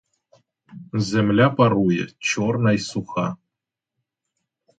Земля парує, чорна й суха.